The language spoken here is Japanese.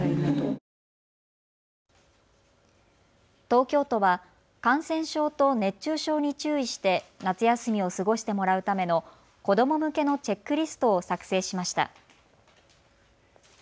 東京都は感染症と熱中症に注意して夏休みを過ごしてもらうための子ども向けのチェックリストを作成しました。